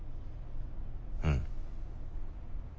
うん。